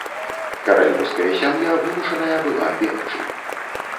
Каралеўская сям'я вымушаная была бегчы.